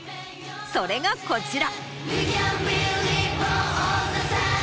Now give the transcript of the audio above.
それがこちら！